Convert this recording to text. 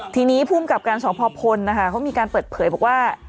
ทีนี้ภูมิกับการสอบพอพลนะคะเขามีการเปิดเผยบอกว่า